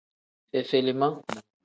Fefelima.